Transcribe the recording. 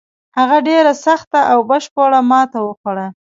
هغه ډېره سخته او بشپړه ماته وخوړه.